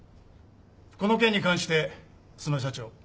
この件に関して須磨社長。